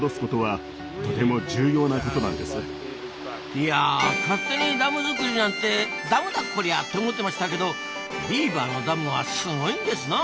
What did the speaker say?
いや勝手にダム作りなんてダムだこりゃって思ってましたけどビーバーのダムはすごいんですな。